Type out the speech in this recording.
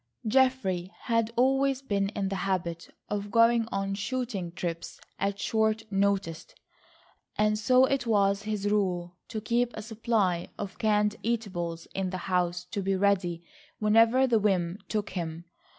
Geoffrey had always been in the habit of going on shooting trips at short notice, and so it was his rule to keep a supply of canned eatables in the house to be ready whenever the whim took him.